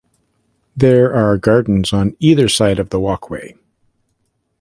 There are gardens on either side of the walkway.